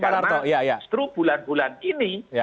karena justru bulan bulan ini